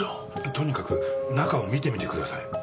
とにかく中を見てみてください。